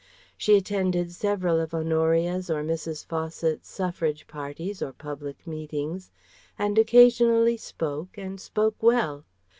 She attended several of Honoria's or Mrs. Fawcett's suffrage parties or public meetings and occasionally spoke and spoke well.